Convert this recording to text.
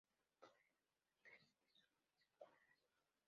Duel Monsters" y sus secuelas.